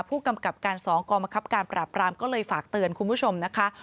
ผู้กำกับการ๒กรมคับการปราบรามก็เลยฝากเตือนคุณผู้ชมนะคะ